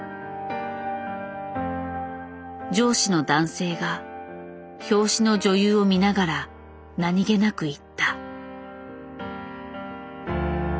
上司の男性が表紙の女優を見ながら何気なく言った。